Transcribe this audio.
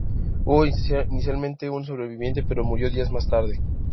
Hubo inicialmente un sobreviviente, pero murió días más tarde.